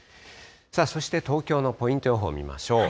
そして東京のポイント予報見ましょう。